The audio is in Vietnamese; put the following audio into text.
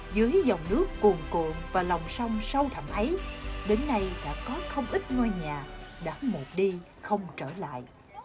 dưới dòng nước cuồn cuộn và lòng sông sâu thẳm ấy đến nay đã có không ít ngôi nhà đã một đi không trở lại